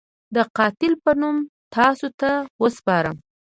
د قاتل په نوم تاسو ته وسپارم.